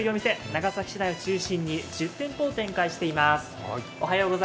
長崎市内を中心に１０店舗を展開しています。